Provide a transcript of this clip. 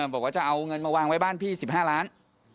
บอกว่าจะเอาเงินมาวางไว้บ้านพี่๑๕ล้าน